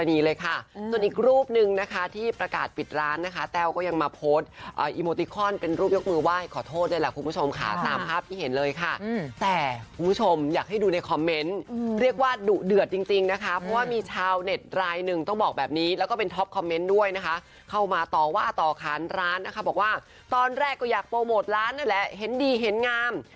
อีโมติคอลเป็นรูปยกมือไหว้ขอโทษได้แหละคุณผู้ชมค่ะตามภาพที่เห็นเลยค่ะแต่คุณผู้ชมอยากให้ดูในคอมเม้นต์เรียกว่าดุเดือดจริงนะคะเพราะว่ามีชาวเน็ตรายหนึ่งต้องบอกแบบนี้แล้วก็เป็นท็อปคอมเม้นต์ด้วยนะคะเข้า